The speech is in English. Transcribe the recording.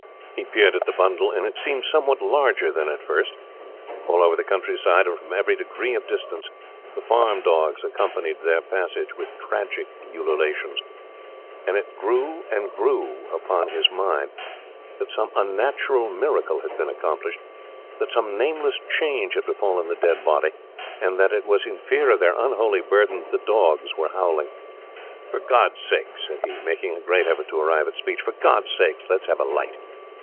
He peered at the bundle, and it seemed somehow larger than at first. All over the country side, and from every degree of distance, the farm dogs accompanied their passage with tragic ululations; and it grew and grew upon his mind that some unnatural miracle had been accomplished, that some nameless change had befallen the dead body, and that it was in fear of their unholy burden that the dogs were howling. 'For God's sake,' said he, making a great effort to arrive at speech, 'for God's sake, let's have a light!